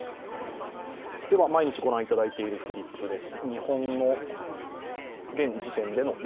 毎日御覧いただいているフリップです。